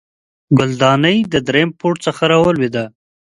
ګلدانۍ د دریم پوړ څخه راولوېده